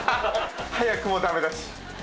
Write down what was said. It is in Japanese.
早くもダメ出し。